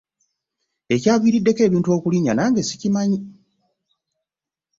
Ekyaviriddeko ebintu okulinya nange sikimanyi.